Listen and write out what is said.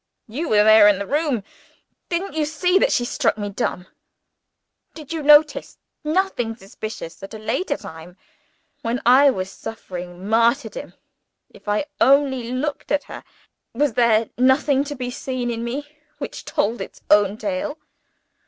"You were there in the room didn't you see that she struck me dumb? Did you notice nothing suspicious at a later time? When I was suffering martyrdom, if I only looked at her was there nothing to be seen in me which told its own tale?"